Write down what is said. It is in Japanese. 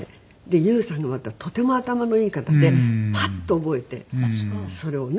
ＹＯＵさんがまたとても頭のいい方でパッと覚えてそれをね